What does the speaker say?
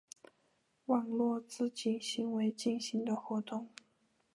网络自警行为进行的活动。